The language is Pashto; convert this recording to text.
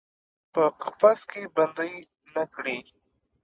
په قفس کې بندۍ نه کړي